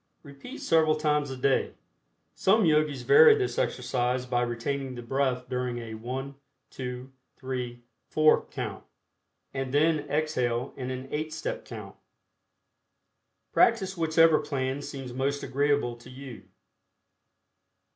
Repeat several times a day. Some Yogis vary this exercise by retaining the breath during a 1, 2, 3, 4, count, and then exhale in an eight step count. Practice whichever plan seems most agreeable to you.